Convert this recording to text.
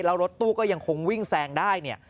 แล้วรถตู้ก็ยังคงวิ่งแซงได้เนี่ย